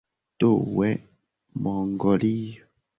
Due, Mongolio.